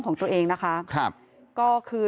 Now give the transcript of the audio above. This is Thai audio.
ของทางญาติ